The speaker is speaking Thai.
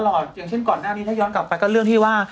อย่างเช่นก่อนหน้านี้ถ้าย้อนกลับไปก็เรื่องที่ว่า